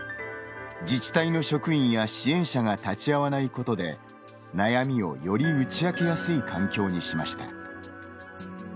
自治体の職員や支援者が立ち会わないことで悩みをより打ち明けやすい環境にしました。